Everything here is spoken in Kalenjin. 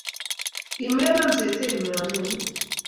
Komelan seset nyo eut